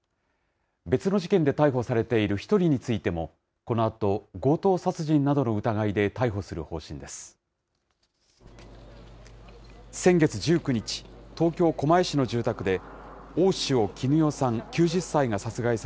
別の事件で逮捕されている１人についても、このあと強盗殺人などの疑いで逮捕する方針です。